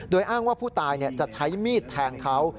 โดยอ้างว่าผู้ตายจะใช้มีดแทงเขา